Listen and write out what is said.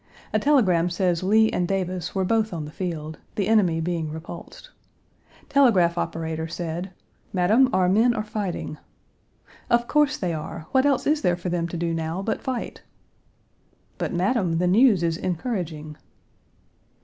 A telegram says Lee and Davis were both on the field: the enemy being repulsed. Telegraph operator said: "Madam, our men are fighting." "Of course they are. What else is there for them to do now but fight?" "But, madam, the news is encouraging."